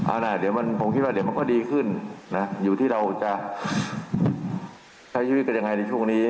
อ่ะเดี๋ยวมันคงคิดว่าเดี๋ยวมันก็ดีขึ้นนะอยู่ที่เราจะใช้ชีวิตกันยังไงในช่วงนี้